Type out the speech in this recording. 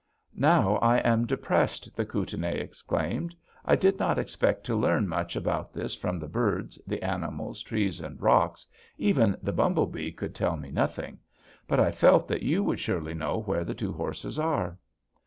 "'Now I am depressed,' the Kootenai exclaimed. 'I did not expect to learn much about this from the birds, the animals, trees, and rocks, even the bumblebee could tell me nothing; but I felt that you would surely know where the two horses are!'